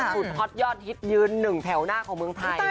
สุดฮอตยอดฮิตยืนหนึ่งแถวหน้าของเมืองไทย